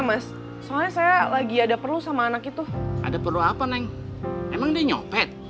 mas soalnya saya lagi ada perlu sama anak itu ada perlu apa neng emang dia nyopet